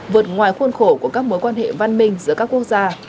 vượt ngoài khuôn khổ của các mối quan hệ văn minh giữa các quốc gia